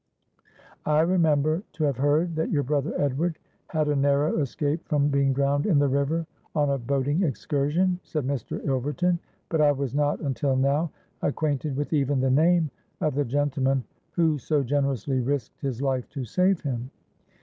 '—'I remember to have heard that your brother Edward had a narrow escape from being drowned in the river on a boating excursion,' said Mr. Ilverton; 'but I was not until now acquainted with even the name of the gentleman who so generously risked his life to save him.'